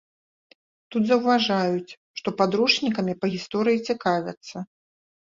Тут заўважаюць, што падручнікамі па гісторыі цікавяцца.